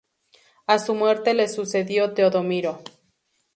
A su muerte le sucedió Teodomiro.